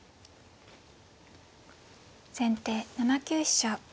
先手７九飛車。